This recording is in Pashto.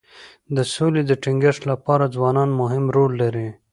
د سولې د ټینګښت لپاره ځوانان مهم رول لري.